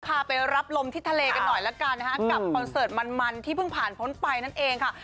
พาไปรับลมที่ทะเลกันหน่อยละกันนะคะกับคอนเสิร์ตมันมันที่เพิ่งผ่านพ้นไปนั่นเองค่ะ